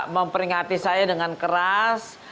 memperingati saya dengan keras